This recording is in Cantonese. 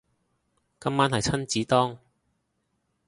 今晚係親子丼